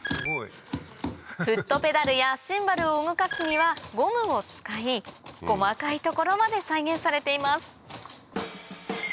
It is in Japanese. フットペダルやシンバルを動かすにはゴムを使い細かい所まで再現されています